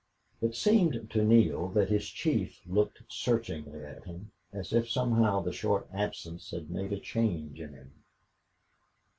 It seemed to Neale that his chief looked searchingly at him, as if somehow the short absence had made a change in him.